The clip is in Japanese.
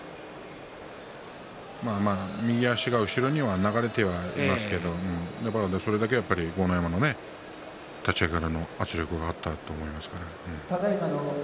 右足が後ろには流れていますけれどそれだけ豪ノ山の立ち合いからの圧力があったと思います。